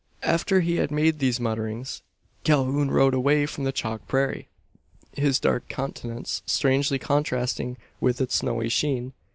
After he had made these mutterings Calhoun rode away from the chalk prairie, his dark countenance strangely contrasting with its snowy sheen.